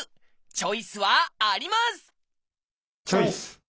チョイス！